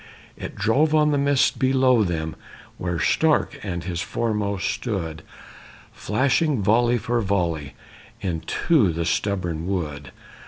It drove on the mist below them Where Stark and his foremost stood, Flashing volley for volley Into the stubborn wood.